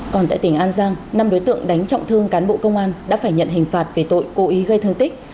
còn tại tỉnh an giang năm đối tượng đánh trọng thương cán bộ công an đã phải nhận hình phạt về tội cố ý gây thương tích